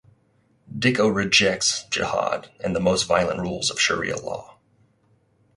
Dicko rejects jihad and the most violent rules of Sharia law.